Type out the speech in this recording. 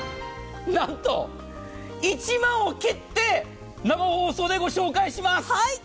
何と１万を切って生放送でご紹介します。